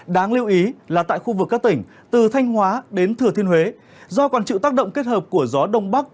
đáng lưu ý là tại khu vực các tỉnh từ thanh hóa đến thừa thiên huế do còn chịu tác động kết hợp của gió đông bắc